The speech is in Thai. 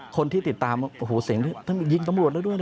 คนที่ติดตามโอ้โหเสียงท่านยิงตำรวจแล้วด้วยนะ